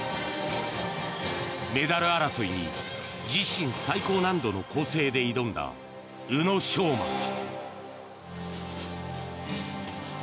メダル争いに自身最高難度の構成で挑んだ宇野昌磨。